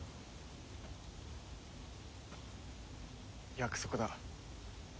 約束だ。